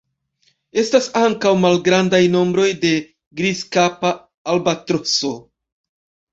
Estas ankaŭ malgrandaj nombroj de Grizkapa albatroso.